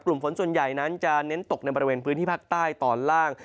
ฝนส่วนใหญ่นั้นจะเน้นตกในบริเวณพื้นที่ภาคใต้ตอนล่าง